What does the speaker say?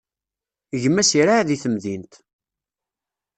Gma-s iraε deg temdint.